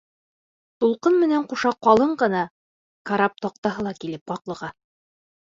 Тулҡын менән ҡуша ҡалын ғына карап таҡтаһы ла килеп ҡаҡлыға.